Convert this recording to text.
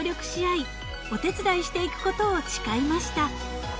お手伝いしていくことを誓いました］